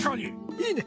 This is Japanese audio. いいね！